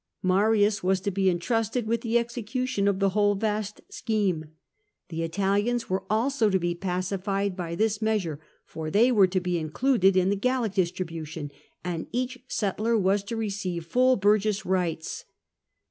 Marius was to be entrusted with the execution of the whole vast scheme. The Italians were also to be pacified by this measure, for they were to be included in the Gallic distribution, and each settler was to receive full burgess rights.